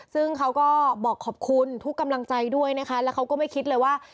ซึ่งเขาก็บอกขอบคุณทุกกำลังใจด้วยนะคะแล้วเขาก็ไม่คิดเลยว่า